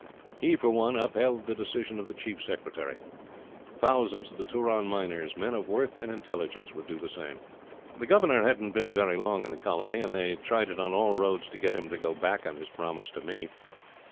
He, for one, upheld the decision of the Chief Secretary. Thousands of the Turon miners, men of worth and intelligence, would do the same.' The Governor hadn't been very long in the colony, and they tried it on all roads to get him to go back on his promise to me.